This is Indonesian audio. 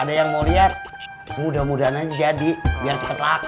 ada yang mau lihat mudah mudahan aja jadi biar cepet laka